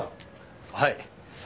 はい。